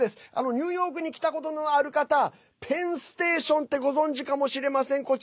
ニューヨークに来たことのある方ペンステーションってご存じかもしれません。